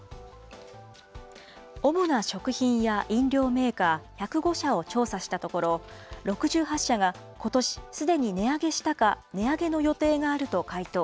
主な食品や飲料メーカー１０５社を調査したところ、６８社がことし、すでに値上げしたか、値上げの予定があると回答。